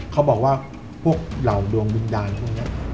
เขาบอกว่าพวกเหล่าดวงวิญญาณพวกนี้